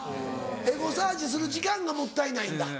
エゴサーチする時間がもったいないんだ。